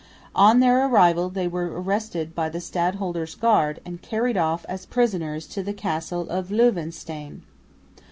On their arrival they were arrested by the stadholder's guard, and carried off as prisoners to the Castle of Loevestein.